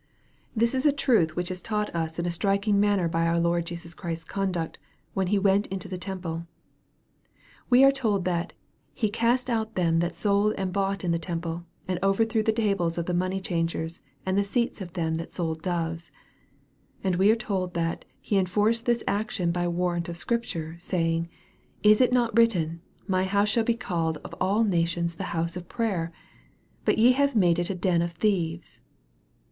This is a truth which is taught us in a MARK, CHAP. XI. 235 Itriking manner by our Lord Jesus Christ's conduct, when He went into the temple. We are told that " He cast out them that sold and bought in the temple, and overthrew the tables of the money changers, and the seats of them that sold doves." And we are told that He enforced this action by warrant of Scripture, saying, " Is it not written, My house shall be called of all nations the house of prayer ? but ye have made it a den of thieves."